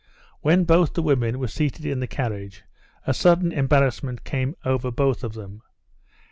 When both the women were seated in the carriage, a sudden embarrassment came over both of them.